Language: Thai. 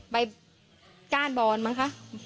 ไปก้านบอนมั้งคะ